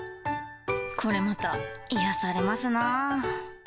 これまた癒やされますな。